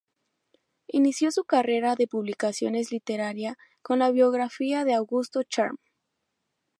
Inició su carrera de publicaciones literaria con la biografía de Augusto Charme.